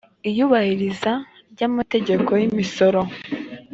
iyubahiriza ry amategeko y imisoro